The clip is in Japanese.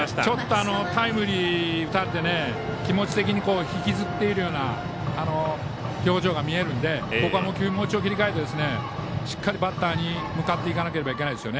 ちょっとタイムリー打たれて気持ち的に引きずっているような表情が見えるのでここはもう一度、切り替えてしっかりバッターに向かっていかなければいけません。